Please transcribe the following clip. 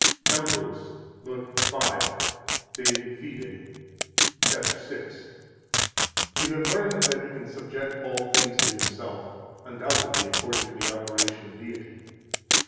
47 AMBROSE, lib. 5 De Fide, cap. 6 (tom. 2, p. 109): "You have learned that He can subject all things to Himself undoubtedly according to the operation of Deity.